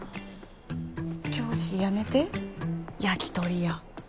教師辞めて焼き鳥屋。